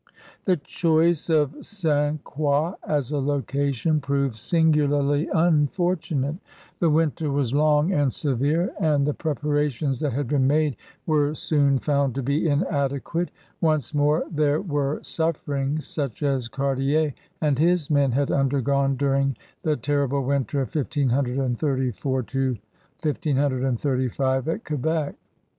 The choice of St. Croix as a location proved singularly unfortunate; the winter was long and severe, and the preparations that had been made were soon found to be inadequate. Once more there were sufferings such as Cartier and his men had undergone during the terrible winter of 1584 1585 at Quebec.